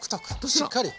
しっかり。